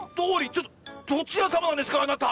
ちょっとどちらさまなんですかあなた？